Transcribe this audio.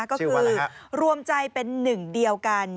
ก็คือรวมใจเป็นหนึ่งเดียวกัน